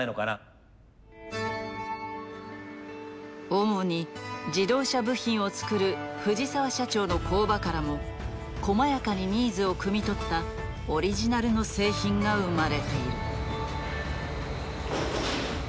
主に自動車部品を作る藤澤社長の工場からも細やかにニーズをくみ取ったオリジナルの製品が生まれている。